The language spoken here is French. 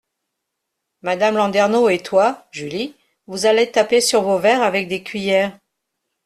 Madame Landernau et toi, Julie, vous allez taper sur vos verres avec des cuillers…